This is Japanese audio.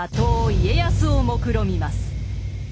家康をもくろみます。